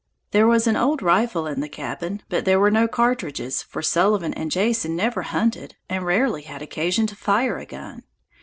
There was an old rifle in the cabin, but there were no cartridges, for Sullivan and Jason never hunted and rarely had occasion to fire a gun.